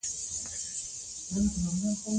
د بانکي سیستم شفافیت د خلکو باور زیاتوي.